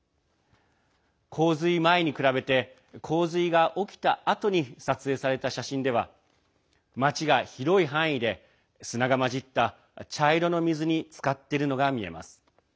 洪水前に比べて洪水が起きたあとに撮影された写真では町が広い範囲で砂が混じった茶色の水につかっているのが見えます。